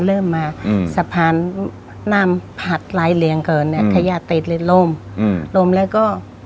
ถ้าต้องมาตรงแล้วก็